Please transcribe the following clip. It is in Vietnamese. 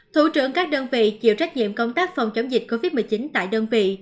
thủ trưởng các đơn vị chịu trách nhiệm công tác phòng chống dịch covid một mươi chín tại đơn vị